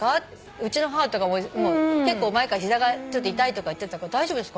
うちの母とか結構前から膝が痛いとか言ってたから大丈夫ですか？